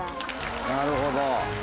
なるほど。